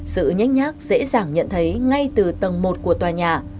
sự nhách nhác dễ dàng nhận thấy ngay từ tầng một của tòa nhà